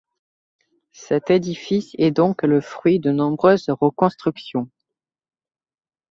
Cet édifice est donc le fruit de nombreuses reconstructions.